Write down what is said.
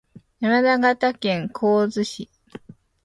山梨県甲州市